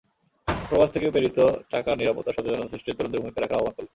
প্রবাস থেকে প্রেরিত টাকার নিরাপত্তা সচেতনতা সৃষ্টিতে তরুণদের ভূমিকা রাখার আহ্বান করলেন।